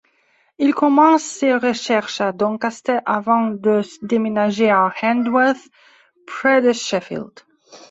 Il commence ses recherches à Doncaster avant de déménager à Handsworth, près de Sheffield.